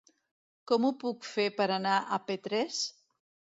Com ho puc fer per anar a Petrés?